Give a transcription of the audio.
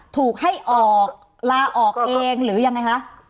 ถูกให้ออกลาออกเองหรือยังไงคะ